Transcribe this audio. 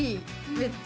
めっちゃ。